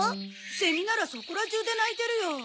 セミならそこら中で鳴いてるよ。